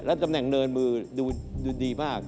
ตำแหน่งเนินมือดูดีมาก